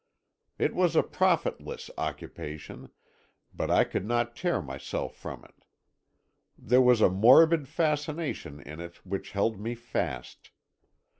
It was a profitless occupation, but I could not tear myself from it. There was a morbid fascination in it which held me fast.